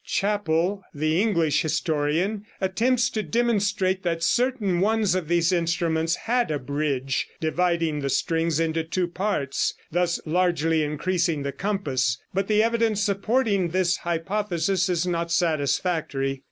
Chappell, the English historian, attempts to demonstrate that certain ones of these instruments had a bridge dividing the string into two parts, thus largely increasing the compass, but the evidence supporting this hypothesis is not satisfactory.